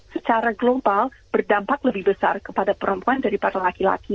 secara global berdampak lebih besar kepada perempuan daripada laki laki